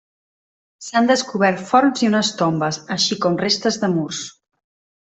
S'han descobert forns i unes tombes així com restes de murs.